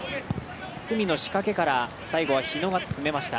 角の仕掛けから最後は日野が詰めました。